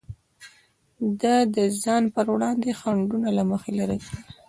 ده د ځان پر وړاندې خنډونه له مخې لرې کړل.